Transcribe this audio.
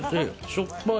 しょっぱい。